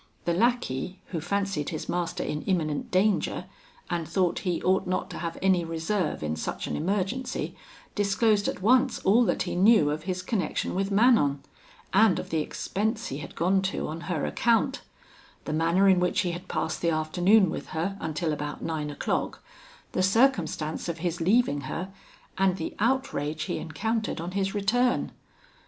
The lackey, who fancied his master in imminent danger, and thought he ought not to have any reserve in such an emergency, disclosed at once all that he knew of his connection with Manon, and of the expense he had gone to on her account; the manner in which he had passed the afternoon with her until about nine o'clock, the circumstance of his leaving her, and the outrage he encountered on his return.